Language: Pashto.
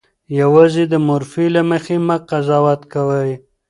یوازې د مورفي له مخې مه قضاوت کوئ.